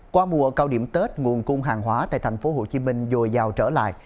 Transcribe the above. qua mùa cao điểm tết nguồn cung hàng hóa tại tp hcm dồi dào trở lại